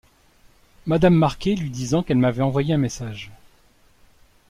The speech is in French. Madame Marquet lui disant qu’elle m’avait envoyé un message.